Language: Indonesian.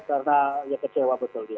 karena ya kecewa betul